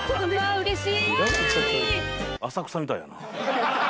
うれしい。